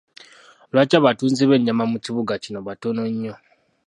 Lwaki abatunzi b'ennyama mu kibuga kino batono nnyo?